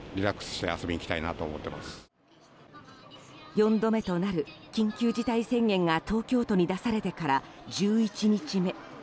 ４度目となる緊急事態宣言が東京都に出されてから１１日目。